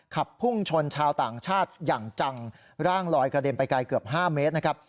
ขับพุ่งชนชาวต่างชาติอย่างจังร่างลอยกระเด็นไปไกลเกือบ๕เมตรนะครับ